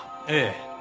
ええ。